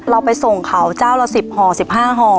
เราไปส่งเขาเจ้าละ๑๐ห่อ๑๕ห่อ